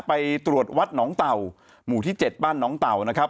ไปตรวจวัดหนองเต่าหมู่ที่๗บ้านน้องเต่านะครับ